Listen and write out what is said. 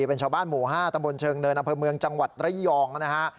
เป็นชาวบ้านหมู่๕ตำบลเชิงเนินอำเภอเมืองจังหวัดระยองนะฮะ